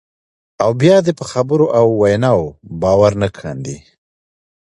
او بیا دې په خبرو او ویناوو باور نه کاندي،